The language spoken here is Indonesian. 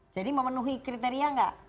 jadi memenuhi kriteria gak